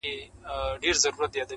سهار به څرنګه بې واکه اونازک لاسونه -